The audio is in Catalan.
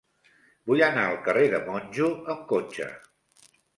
Vull anar al carrer de Monjo amb cotxe.